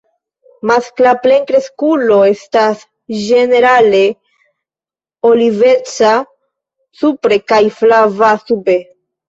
Maskla plenkreskulo estas ĝenerale oliveca supre kaj flava sube.